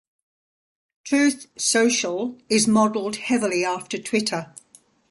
Truth Social is modeled heavily after Twitter.